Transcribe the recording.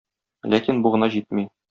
Ләкин бу гына җитми.